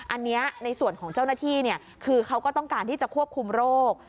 อันนี้ในส่วนของเจ้าหน้าที่คือเขาก็ต้องการที่จะควบคุมโรค